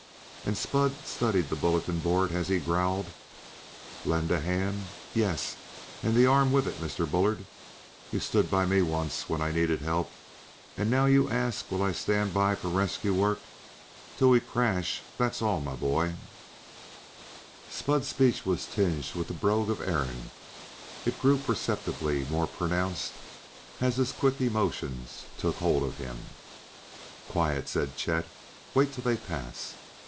And Spud studied the bulletin board as he growled: "Lend a hand? yes, and the arm with it, Mr. Bullard. You stud by me once whin I needed help; and now you ask will I stand by for rescue work. Till we crash that's all, me bhoy!" Spud's speech was tinged with the brogue of Erin; it grew perceptibly more pronounced as his quick emotions took hold of him. "Quiet!" said Chet. "Wait till they pass!"